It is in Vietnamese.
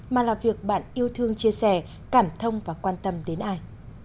mà là việc bạn yêu thương chia sẻ cảm thông và quan tâm đến ai